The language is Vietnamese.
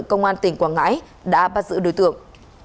công an tỉnh quảng ngãi đã bắt giữ đối tượng